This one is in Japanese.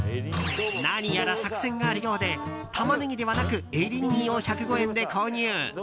何やら作戦があるようでタマネギではなくエリンギを１０５円で購入。